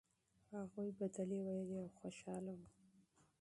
هغوی سندرې ویلې او خوشاله وو.